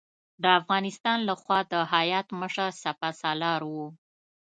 د افغانستان له خوا د هیات مشر سپه سالار و.